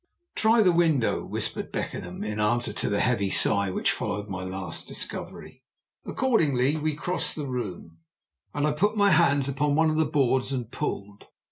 "Try the window," whispered Beckenham, in answer to the heavy sigh which followed my last discovery. Accordingly we crossed the room, and I put my hands upon one of the boards and pulled.